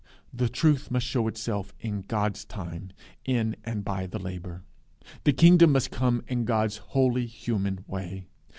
The truth must show itself in God's time, in and by the labour. The kingdom must come in God's holy human way.